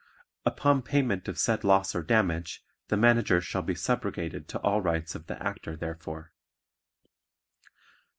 Upon payment of said loss or damage the Manager shall be subrogated to all rights of the Actor therefor.